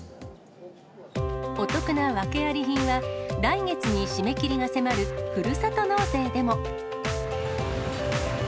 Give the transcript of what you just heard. お得な訳あり品は、来月に締め切りが迫るふるさと納税でも。